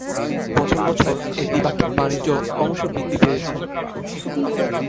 বছর বছর এ দ্বিপাক্ষিক বাণিজ্য ক্রমশ বৃদ্ধি পেয়েছে।